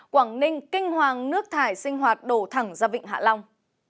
quảng ninh kinh hoàng nước thải sinh hoạt đổ thẳng ra vịnh hạ long